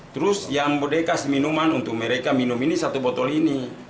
terus yang bodekas minuman untuk mereka minum ini satu botol ini